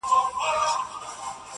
• ټوله نــــړۍ راپسي مه ږغوه.